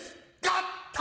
合体！